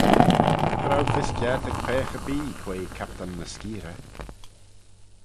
Cha row fys kiart ec peiagh erbee quoi Captan ny Skeerey.